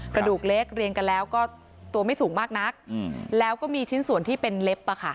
กระดูกเล็กเรียงกันแล้วก็ตัวไม่สูงมากนักแล้วก็มีชิ้นส่วนที่เป็นเล็บ